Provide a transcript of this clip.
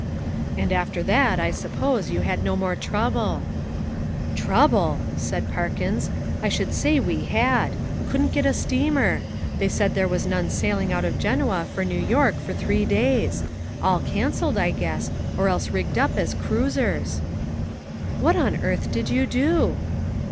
"And after that, I suppose, you had no more trouble." "Trouble," said Parkins, "I should say we had. Couldn't get a steamer! They said there was none sailing out of Genoa for New York for three days! All cancelled, I guess, or else rigged up as cruisers." "What on earth did you do?"